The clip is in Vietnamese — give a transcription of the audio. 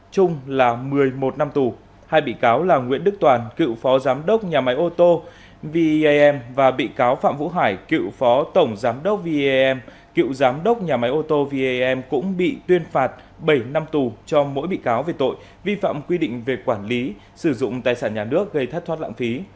trong vụ án này bị cáo trần ngọc hà đã bị tòa án nhân dân cấp cao tại hà nội tuyên phạt bảy năm tù về tội vi phạm quy định về quản lý sử dụng tài sản nhà nước gây thất thoát lãng phí